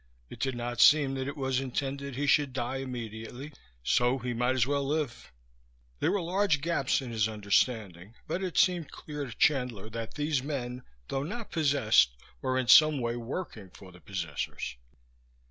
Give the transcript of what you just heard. It did not seem that it was intended he should die immediately, so he might as well live. There were large gaps in his understanding, but it seemed clear to Chandler that these men, though not possessed, were in some way working for the possessors.